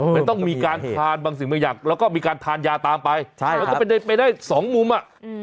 มันต้องมีการทานบางสิ่งบางอย่างแล้วก็มีการทานยาตามไปมันก็เป็นไปได้สองมุมอ่ะ